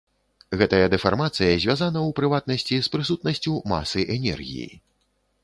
Гэтая дэфармацыя звязана, у прыватнасці, з прысутнасцю масы-энергіі.